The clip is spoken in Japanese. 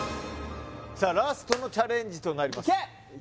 さあラストのチャレンジとなりますい